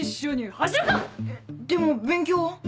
えっでも勉強は？